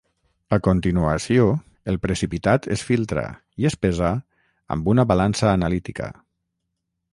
A continuació el precipitat es filtra i es pesa amb una balança analítica.